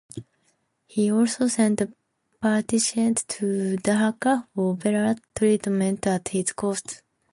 He also sent patients to Dhaka for better treatment at his cost.